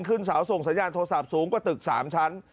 ขึ้นเสาส่งสัญญาณโทรศัพท์สูงกว่าตึก๓ชั้น